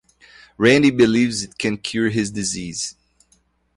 Randy believes it can cure his disease.